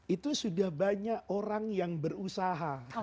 itu sudah banyak orang yang berusaha